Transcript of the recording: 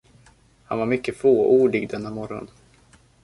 Han var mycket fåordig denna morgon.